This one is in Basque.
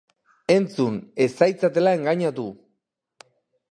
Entzun, ez zaitzatela engainatu!